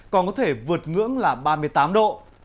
còn có thể vượt ngưỡng là ba mươi tám độ